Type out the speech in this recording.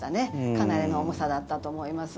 かなりの重さだったと思います。